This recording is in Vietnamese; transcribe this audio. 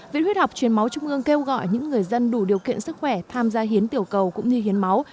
viện huyết học truyền máu trung ương kêu gọi những người dân đủ điều kiện sức khỏe tham gia hiến tiểu cầu cũng như hiến máu